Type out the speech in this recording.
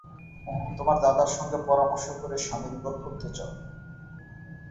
তোমার দাদার সঙ্গে পরামর্শ করে স্বামীর ঘর করতে চাও!